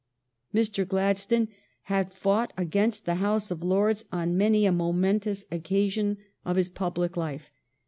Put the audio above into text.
Mr. Gladstone had fought against the House of Lords on many a momentous occasion of his pub lic life.